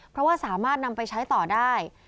เพราะว่าสามารถนำไปใช้ต่อได้